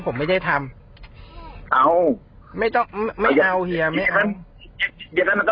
ผมไม่ได้ทำเอาไม่ต้องไม่เอาเฮียไม่เอา